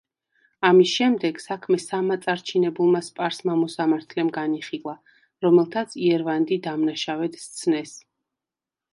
ამის შემდეგ, საქმე სამმა წარჩინებულმა სპარსმა მოსამართლემ განიხილა, რომელთაც იერვანდი დამნაშავედ სცნეს.